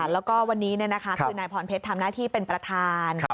แล้วก็วันนี้คือนายพรเพชรทำหน้าที่เป็นประธาน